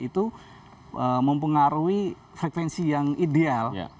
itu mempengaruhi frekuensi yang ideal